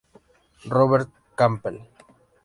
Robert Campbell